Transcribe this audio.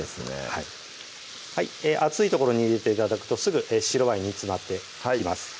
はい熱いところに入れて頂くとすぐ白ワイン煮詰まってきます